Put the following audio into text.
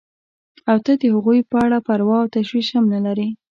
او ته د هغوی په اړه پروا او تشویش هم نه لرې.